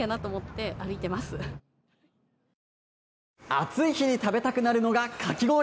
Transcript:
暑い日に食べたくなるのがかき氷。